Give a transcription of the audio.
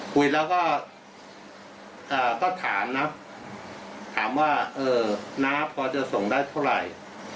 คุยแล้วก็ถามนะถามว่าน้าพอจะส่งได้เท่าไหร่